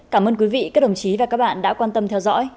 cảm ơn quý vị các đồng chí và các bạn đã quan tâm theo dõi